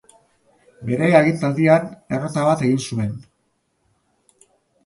Bere agintaldian errolda bat egin zuten.